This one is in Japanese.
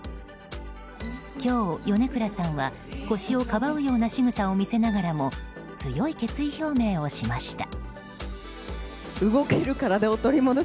今日、米倉さんは腰をかばうようなしぐさを見せながらも強い決意表明をしました。